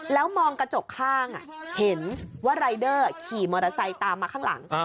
แล้วมองกระจกข้างเห็นว่ารายเดอร์ขี่มอเตอร์ไซค์ตามมาข้างหลัง